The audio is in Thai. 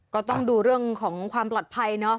ก็ต้องดูเรื่องของความปลอดภัยเนอะ